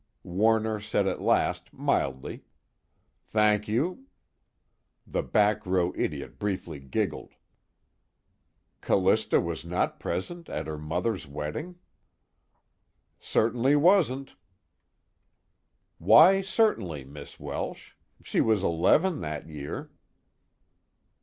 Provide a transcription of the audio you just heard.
Warner said at last, mildly: "Thank you." The back row idiot briefly giggled. "Callista was not present at her mother's wedding?" "Certainly wasn't." "Why 'certainly,' Miss Welsh? She was eleven that year."